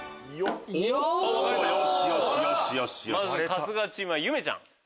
春日チームはゆめちゃん。